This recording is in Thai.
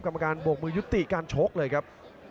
กรรมการโบกมือยุติการชกเลยครับ